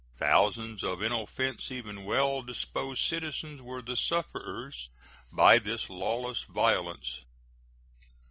Thousands of inoffensive and well disposed citizens were the sufferers by this lawless violence.